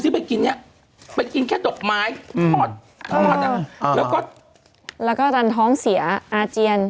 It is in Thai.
ไปกินแค่ดอกไม้อืมทอดอ่าแล้วก็แล้วก็อาจารย์ท้องเสียอาเจียน